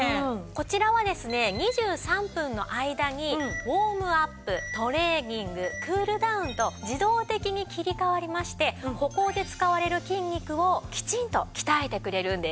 こちらはですね２３分の間にウォームアップトレーニングクールダウンと自動的に切り替わりまして歩行で使われる筋肉をきちんと鍛えてくれるんです。